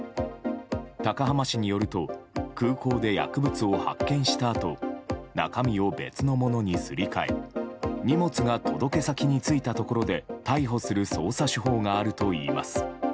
高濱氏によると空港で薬物を発見したあと中身を別のものにすり替え荷物が届け先に着いたところで逮捕する捜査手法があるといいます。